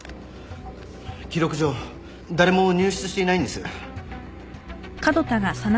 記録上誰も入室していないんです。